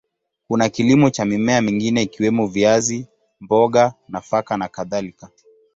Kuna kilimo cha mimea mingine ikiwemo viazi, mboga, nafaka na kadhalika.